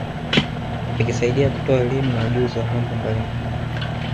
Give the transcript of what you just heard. Vikisaidia kutoa elimu na ujuzi wa mambo mbalimbali